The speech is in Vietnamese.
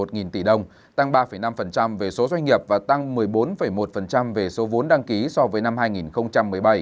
một bốn trăm tám mươi tám một nghìn tỷ đồng tăng ba năm về số doanh nghiệp và tăng một mươi bốn một về số vốn đăng ký so với năm hai nghìn một mươi bảy